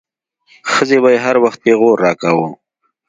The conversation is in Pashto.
ښځې به يې هر وخت پيغور راکاوه.